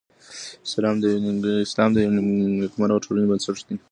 اسلام د یوې نېکمرغه ټولنې بنسټ دی.